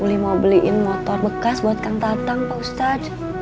uli mau beliin motor bekas buatkan tatang pak ustadz